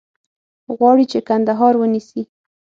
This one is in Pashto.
غواړي چې کندهار ونیسي.